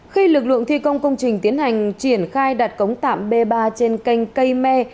khi lực lượng thi công công trình tiến hành triển khai đặt cống tạm b ba trên canh cây me